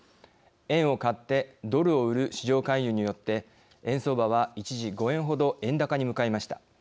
円を買ってドルを売る市場介入によって円相場は一時、５円程円高に向かいました。